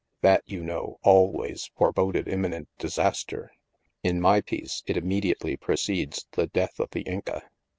That, you know, always forboded im minent disaster. In my piece, it immediately pre cedes the death of the Inca."